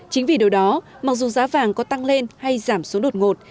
chính vì điều đó mặc dù giá vàng có tăng lên hay giảm xuống đột ngột